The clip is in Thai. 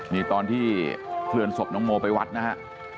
นี่ตอนที่เคลื่อนศพน้องโมไปวัดนะฮะ